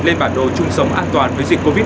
lên bản đồ chung sống an toàn với dịch covid một mươi